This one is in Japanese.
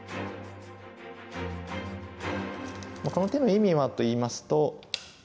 この手の意味はといいますと。